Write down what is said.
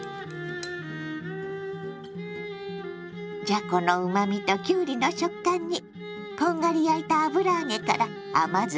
じゃこのうまみときゅうりの食感にこんがり焼いた油揚げから甘酢がジュワー。